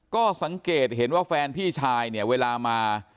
ก็สังเกตเห็นว่าแฟนพี่ชายเนี่ยเวลามา